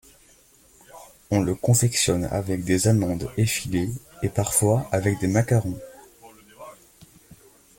On le confectionne avec des amandes effilées et parfois avec des macarons.